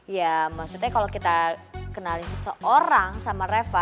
ya maksudnya kalau kita kenali seseorang sama reva